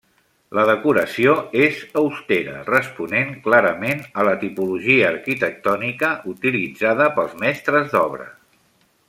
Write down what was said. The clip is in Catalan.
La decoració és austera, responent clarament a la tipologia arquitectònica utilitzada pels mestres d'obra.